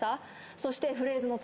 そしてフレーズの作り方。